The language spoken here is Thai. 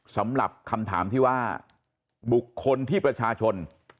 สำหรับคำถามที่ว่าบุคคลที่ประชาชน